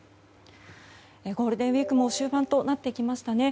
ゴールデンウィークも終盤となってきましたね。